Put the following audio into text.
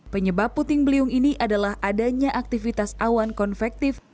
penyebab puting beliung ini adalah adanya aktivitas awan konvektif